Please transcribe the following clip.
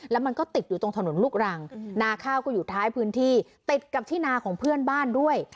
แล้วมันก็ติดอยู่ตรงถนนลูกรังนาข้าวก็อยู่ท้ายพื้นที่ติดกับที่นาของเพื่อนบ้านด้วย